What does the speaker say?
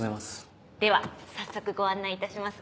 では早速ご案内いたします。